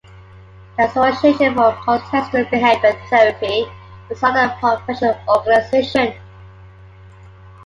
The Association for Contextual Behavior Therapy is another professional organization.